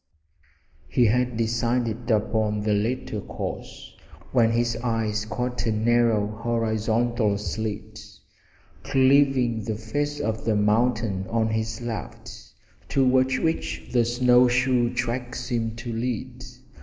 He had decided upon the latter course when his eyes caught a narrow horizontal slit cleaving the face of the mountain on his left, toward which the snow shoe tracks seemed to lead.